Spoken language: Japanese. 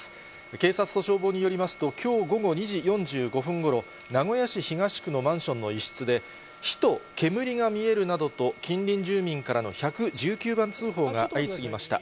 警察と消防によりますと、きょう午後２時４５分ごろ、名古屋市東区のマンションの一室で、火と煙が見えるなどと、近隣住民からの１１９番通報が相次ぎました。